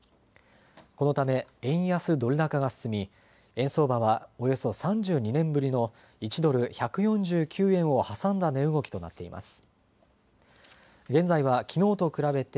このため円安ドル高が進み、円相場はおよそ３２年ぶりの１ドル１４９円を挟んだ値動きとなっています。